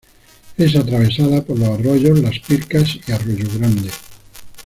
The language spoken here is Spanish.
Es atravesada por los arroyos Las Pircas y Arroyo Grande.